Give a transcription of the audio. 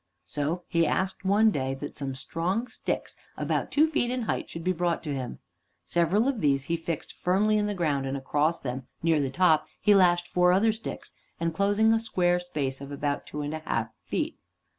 So he asked one day that some strong sticks, about two feet in height, should be brought to him. Several of these he fixed firmly in the ground, and across them, near the top, he lashed four other sticks, enclosing a square space of about two and a half feet.